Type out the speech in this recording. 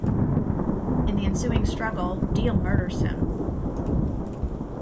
In the ensuing struggle, Deel murders him.